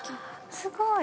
◆すごい。